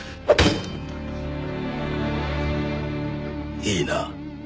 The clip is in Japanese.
いいな？